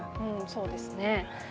そうですね。